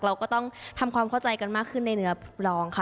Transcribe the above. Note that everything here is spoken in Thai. เราก็ต้องทำความเข้าใจกันมากขึ้นในเนื้อร้องค่ะ